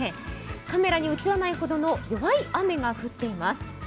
カメラに映らないほどの弱い雨が降っています。